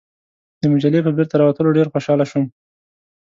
د مجلې په بیرته راوتلو ډېر خوشاله شوم.